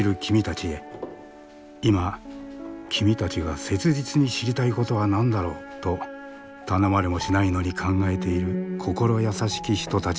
今君たちが切実に知りたいことは何だろう？と頼まれもしないのに考えている心優しき人たちがいる。